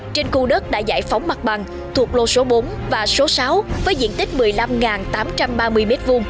trên khu đất đã giải phóng mặt bằng thuộc lô số bốn và số sáu với diện tích một mươi năm tám trăm ba mươi m hai